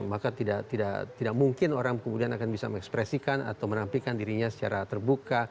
maka tidak mungkin orang kemudian akan bisa mengekspresikan atau menampilkan dirinya secara terbuka